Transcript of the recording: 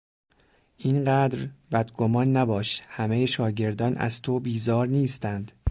اینقدر بدگمان نباش، همهی شاگردان از تو بیزار نیستند!